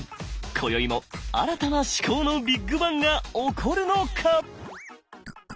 こよいも新たな思考のビッグバンが起こるのか！？